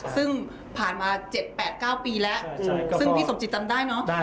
ซึ่งผ่านมาเจ็ดแปดเก้าปีแล้วซึ่งพี่สมจิตจำได้เนาะ